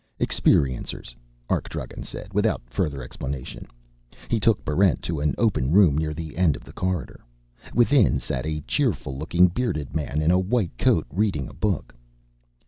"Experiencers," Arkdragen said, without further explanation. He took Barrent to an open room near the end of the corridor. Within sat a cheerful looking bearded man in a white coat reading a book.